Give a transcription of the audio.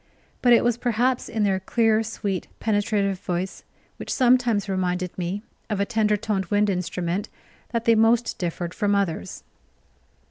But it was perhaps in their clear, sweet, penetrative voice, which sometimes reminded me of a tender toned wind instrument, that they most differed from others.